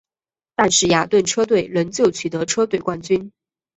但是雅顿车队仍旧取得车队冠军。